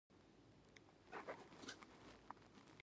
خلق د اورېدو دپاره راتللو